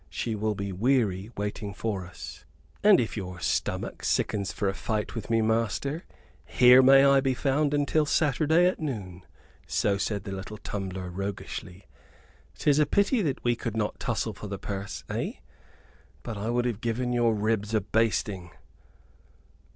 She will be weary waiting for us." "And if your stomach sickens for a fight with me, master, here may I be found until Saturday at noon." So said the little tumbler, roguishly. "'Tis a pity that we could not tussle for the purse, eh? but I would have given your ribs a basting."